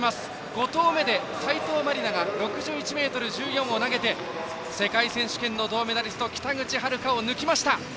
５投目で斉藤真理菜が６１ｍ１４を投げて世界選手権の銅メダリスト北口榛花を抜きました。